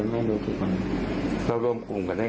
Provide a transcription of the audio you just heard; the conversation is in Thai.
ใจไม่ลงขึ้นประเธคนเนี่ยแจ่ในกลุ่มลายวี้